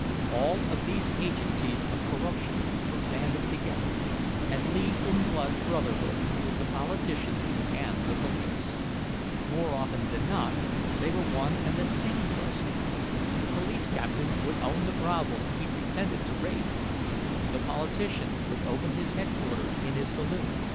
All of these agencies of corruption were banded together, and leagued in blood brotherhood with the politician and the police; more often than not they were one and the same person,—the police captain would own the brothel he pretended to raid, the politician would open his headquarters in his saloon.